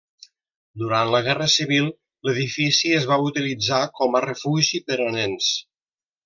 Durant la guerra civil, l’edifici es va utilitzar com a refugi per a nens.